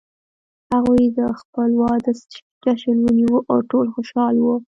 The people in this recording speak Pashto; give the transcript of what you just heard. هغوی د خپل واده جشن ونیو او ټول خوشحال وو